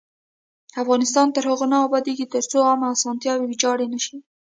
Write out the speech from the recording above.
افغانستان تر هغو نه ابادیږي، ترڅو عامه اسانتیاوې ویجاړې نشي.